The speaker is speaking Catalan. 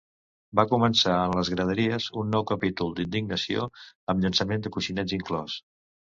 Va començar en les graderies un nou capítol d'indignació amb llançament de coixinets inclòs.